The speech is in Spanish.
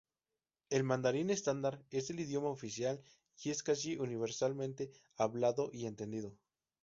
El mandarín estándar es el idioma oficial y es casi universalmente hablado y entendido.